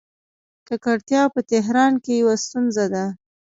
ککړتیا په تهران کې یوه ستونزه ده.